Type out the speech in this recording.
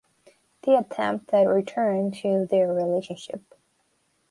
They attempt a return to their relationship.